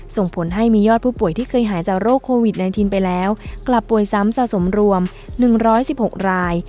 ส่งผลให้มียอดผู้ป่วยที่เคยหายจากโรคโควิด๑๙ไปแล้วกลับป่วยซ้ำสะสมรวม๑๑๖ราย